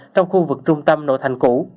trong khu vực trung tâm nội thành cũ